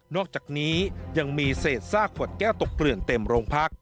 อกจากนี้ยังมีเศษซากขวดแก้วตกเกลื่อนเต็มโรงพัก